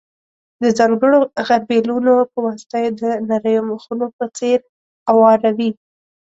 د ځانګړو غربیلونو په واسطه یې د نریو مخونو په څېر اواروي.